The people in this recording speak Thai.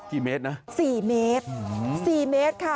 กี่เมตรนะสี่เมตรสี่เมตรค่ะ